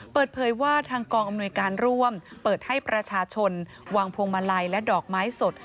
เปิดเผยว่าทางกองอำนวยการร่วมเปิดให้ประชาชนวางพวงมาลัยและดอกไม้สด